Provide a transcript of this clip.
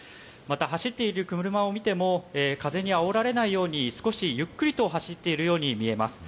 走っている車を見ても、風にあおられないように少しゆっくりと走っているように見えます。